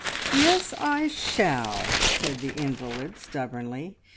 "Yes, I shall!" said the invalid stubbornly.